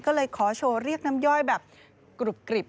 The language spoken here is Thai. ก็เลยขอโชว์เรียกน้ำย่อยแบบกรุบกริบ